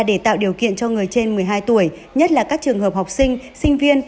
để tạo điều kiện cho người trên một mươi hai tuổi nhất là các trường hợp học sinh sinh viên